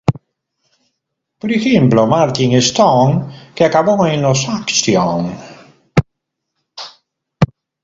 Por ejemplo Martin Stone, que acabó en los Action.